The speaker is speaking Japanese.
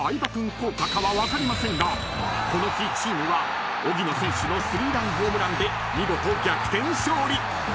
効果かは分かりませんがこの日チームは荻野選手の３ランホームランで見事逆転勝利］